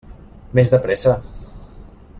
Més de pressa!